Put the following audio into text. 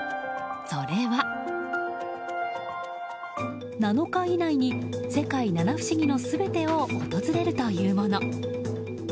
それは、７日以内に世界七不思議の全てを訪れるというもの。